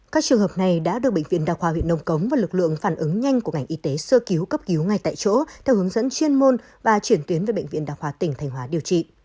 các trường hợp này đã được bệnh viện đặc hòa huyện nông cống và lực lượng phản ứng nhanh của ngành y tế sơ cứu cấp cứu ngay tại chỗ theo hướng dẫn chuyên môn và chuyển tuyến về bệnh viện đặc hòa tỉnh thanh hóa điều trị